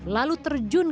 lalu terjun ke lantai